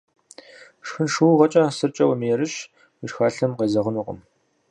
Шхын шыугъэкӏэ, сыркӏэ умыерыщ, уи шхалъэм къезэгъынукъым.